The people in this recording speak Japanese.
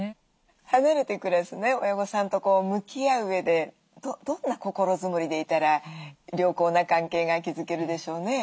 離れて暮らす親御さんと向き合ううえでどんな心づもりでいたら良好な関係が築けるでしょうね？